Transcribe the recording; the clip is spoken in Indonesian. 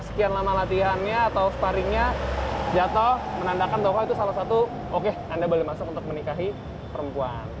jatuh palingnya jatuh menandakan bahwa itu salah satu oke anda boleh masuk untuk menikahi perempuan